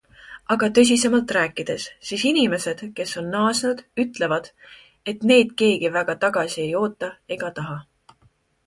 Aga tõsisemalt rääkides, siis inimesed, kes on naasnud, ütlevad, et neid keegi väga tagasi ei oota ega taha.